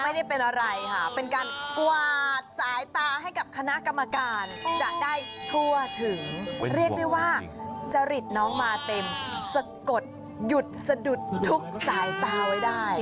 ไม่ได้เป็นอะไรค่ะเป็นการกวาดสายตาให้กับคณะกรรมการจะได้ทั่วถึงเรียกได้ว่าจริตน้องมาเต็มสะกดหยุดสะดุดทุกสายตาไว้ได้